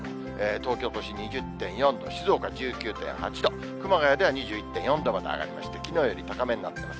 東京都心２０．４度、静岡１９．８度、熊谷では２１．４度まで上がりまして、きのうより高めになっています。